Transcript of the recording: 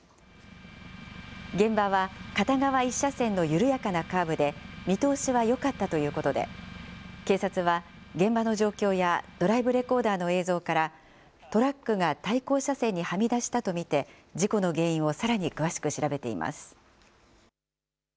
現場は片側１車線の緩やかなカーブで、見通しはよかったということで、警察は、現場の状況やドライブレコーダーの映像から、トラックが対向車線にはみ出したと見て、事故の原因をさらに詳しく調べています。